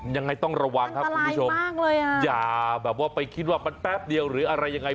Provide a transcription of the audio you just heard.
ยังไงต้องระวังครับคุณผู้ชมมากเลยอ่ะอย่าแบบว่าไปคิดว่ามันแป๊บเดียวหรืออะไรยังไง